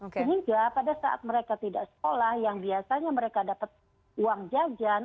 sehingga pada saat mereka tidak sekolah yang biasanya mereka dapat uang jajan